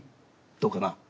どうかな？